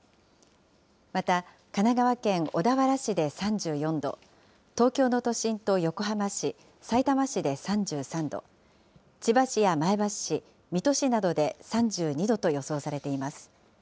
また神奈川県小田原市で３４度、東京の都心と横浜市、さいたま市で３３度、千葉市や前橋市、水戸市などで３２度と予想されています。